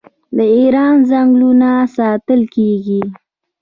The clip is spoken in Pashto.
د ایران ځنګلونه ساتل کیږي.